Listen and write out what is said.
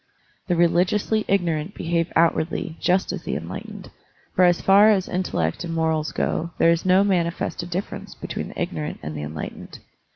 The reli giously ignorant behave outwardly just as the enlightened, for as far as intellect and morals go there is no manifested difference between the ignorant and the enlightened.